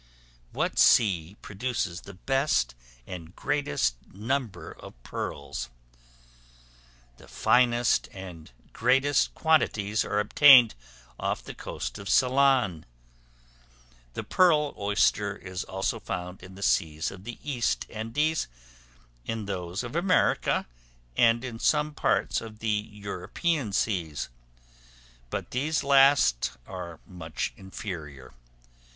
What sea produces the best and greatest number of Pearls? The finest and greatest quantities are obtained off the coast of Ceylon; the pearl oyster is also found in the seas of the East Indies; in those of America, and in some parts of the European seas; but these last are much inferior.